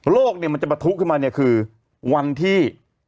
โรคเนี่ยมันจะมาทุกขึ้นมาเนี่ยคือวันที่๕๖๗